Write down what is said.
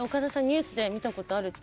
ニュースで見たことあるって。